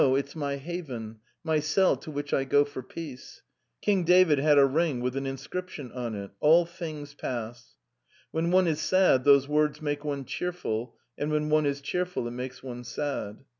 It is my haven, my convent cell where I go for rest. King David had a ring with an inscrip tion :* Everything passes.' When one is sad, these words make one cheerful; and when one is cheerful, they make one sad.